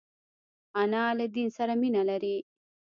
انا له دین سره مینه لري